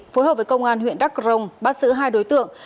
phối hợp với công an huyện đắc rồng bắt giữ hai đối tượng